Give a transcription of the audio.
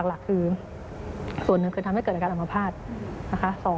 หลักคือส่วนหนึ่งคือทำให้เกิดอาการอมภาษณ์นะคะ